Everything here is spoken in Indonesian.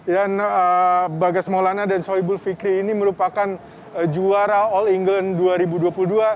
dan bagas maulana dan sohibul fikri ini merupakan juara all england dua ribu dua puluh dua